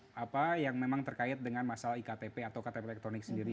soal apa yang memang terkait dengan masalah iktp atau ktp elektronik sendiri